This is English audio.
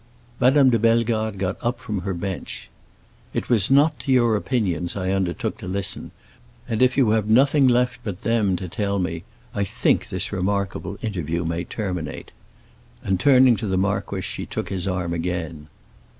Madame de Bellegarde got up from her bench. "It was not to your opinions I undertook to listen, and if you have nothing left but them to tell me I think this remarkable interview may terminate." And turning to the marquis she took his arm again.